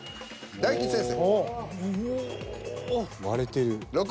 大吉先生。